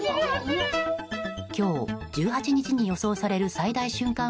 今日１８日に予想される最大瞬間